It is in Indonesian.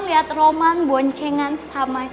liat roman boncengan sama